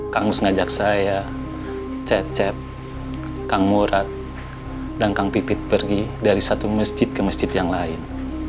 kang mus ngajak saya cecep kang murad dan kang pipit pergi dari satu masjid ke masjid yang lain